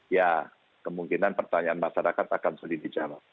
ya kemungkinan pertanyaan masyarakat akan sulit dijawab